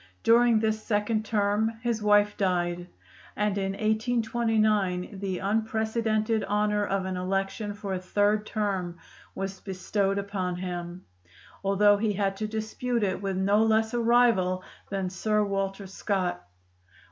During this second term his wife died, and in 1829 the unprecedented honor of an election for a third term was bestowed upon him, although he had to dispute it with no less a rival than Sir Walter Scott.